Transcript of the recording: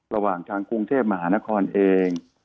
ระหว่างทางกรุงเทพมหานครเอง